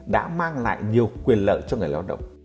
đã mang lại nhiều quyền lợi cho người lao động